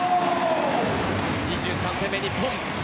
２３点目、日本。